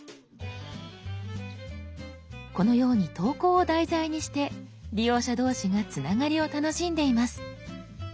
このように投稿を題材にして利用者同士がつながりを楽しんでいます。